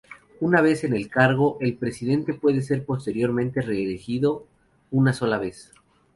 Una vez en el cargo, el Presidente puede ser posteriormente reelegido una sola vez.